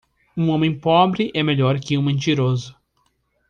Um homem pobre é melhor que um mentiroso.